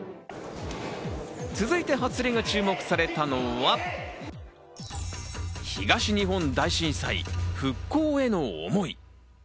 続いて初競りが注目されたのは東日本大震災復興への思い。